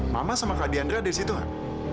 mama sama kak dianra ada di situ an